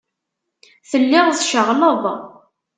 Telliḍ tceɣleḍ.